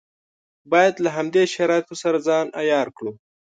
باید له همدې شرایطو سره ځان عیار کړو.